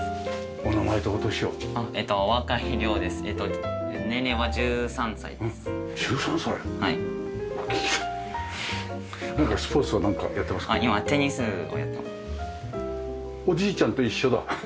おじいちゃんと一緒だ。